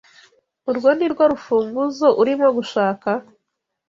Urwo nirwo rufunguzo urimo gushaka?